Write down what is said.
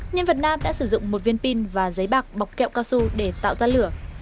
nhân vật nam đã sử dụng một viên pin và giấy bạc bọc kẹo cao su để tạo ra lửa